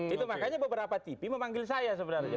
itu makanya beberapa tv memanggil saya sebenarnya